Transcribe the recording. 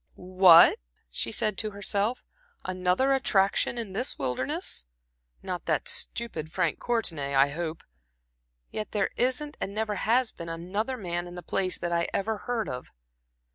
"What!" she said to herself "another attraction in this wilderness? Not that stupid Frank Courtenay I hope not. Yet there isn't and never has been another man in the place that I ever heard of."